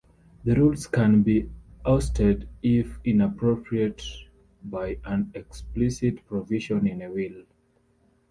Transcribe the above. The rules can be ousted if inappropriate by an explicit provision in a will.